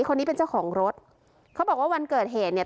คนนี้เป็นเจ้าของรถเขาบอกว่าวันเกิดเหตุเนี่ย